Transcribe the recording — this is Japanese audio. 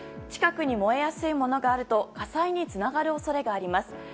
近くに燃えやすいものがあると火災につながる恐れがあります。